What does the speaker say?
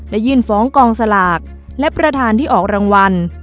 ยื่นฟ้องกองสลากและประธานที่ออกรางวัล